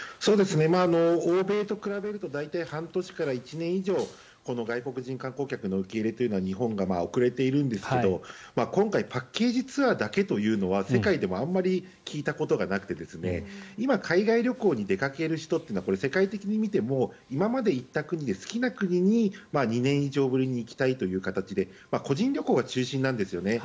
欧米と比べると大体半年から１年以上この外国人観光客の受け入れというのは日本が遅れているんですが今回パッケージツアーだけというのは世界でもあまり聞いたことがなくて今、海外旅行に出かける人というのは世界的に見ても今まで行った国で好きな国に２年以上ぶりに行きたいという形で個人旅行が中心なんですよね。